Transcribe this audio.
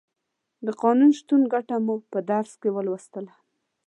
د قانون شتون ګټه مو په درس کې ولوستله.